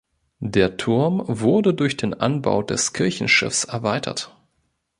Der Turm wurde durch den Anbau des Kirchenschiffs erweitert.